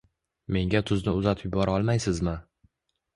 Menga tuzni uzatib yubora olmaysizmi?